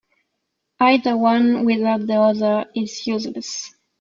Either one without the other is useless.